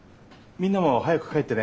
みんなも早く帰ってね。